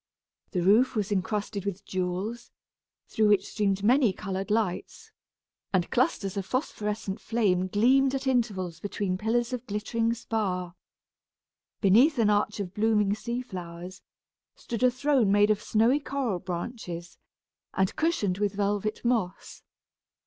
The roof was encrusted with jewels, through which streamed many colored lights, and clusters of phosphorescent flame gleamed at intervals between pillars of glittering spar. Beneath an arch of blooming sea flowers, stood a throne made of snowy coral branches, and cushioned with velvet moss.